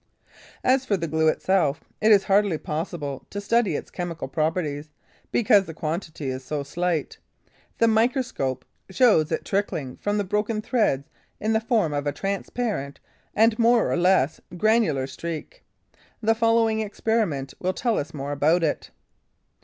As for the glue itself, it is hardly possible to study its chemical properties, because the quantity is so slight. The microscope shows it trickling from the broken threads in the form of a transparent and more or less granular streak. The following experiment will tell us more about it.